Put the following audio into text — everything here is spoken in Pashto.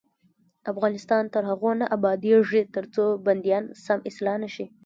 افغانستان تر هغو نه ابادیږي، ترڅو بندیان سم اصلاح نشي.